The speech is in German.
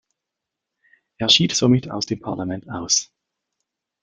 Er schied somit aus dem Parlament aus.